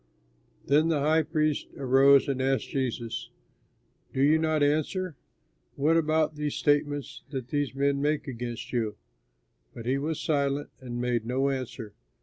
Then the high priest arose and asked Jesus, "Do you not answer? What about these statements that these men make against you?" But he was silent and made no answer.